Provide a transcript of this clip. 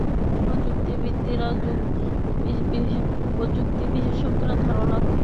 প্রযুক্তি বিশ্লেষকেরা ধারণা করছেন, এবার দুটি নতুন মডেলের স্মার্টফোনের ঘোষণা দেবে স্যামসাং।